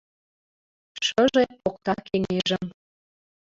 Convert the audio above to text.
Шыже покта кеҥежым...